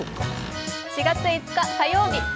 ４月５日火曜日。